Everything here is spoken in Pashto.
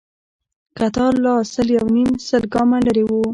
کتار لا سل يونيم سل ګامه لرې و.